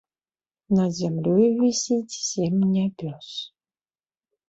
Над зямлёю вісіць сем нябёс.